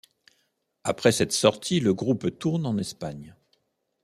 Après cette sortie, le groupe tourne en Espagne.